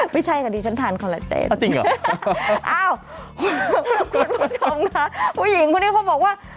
ไม่ใช่ค่ะดิฉันทานคอลลาเจนเหรออ้าวคุณผู้ชมค่ะผู้หญิงคนนี้เขาบอกว่า